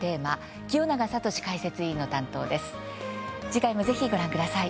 次回も是非ご覧ください。